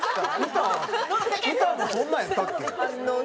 歌歌もそんなんやったっけ？